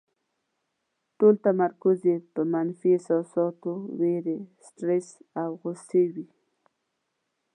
ټول تمرکز یې په منفي احساساتو، وېرې، سټرس او غوسې وي.